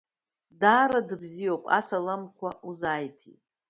Даара дыбзиоуп, асаламқәа узааиҭит.